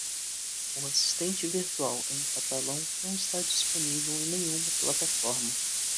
O assistente virtual em catalão não está disponível em nenhuma plataforma.